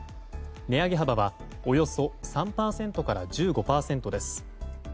値上げ幅はおよそ３％から１５％です。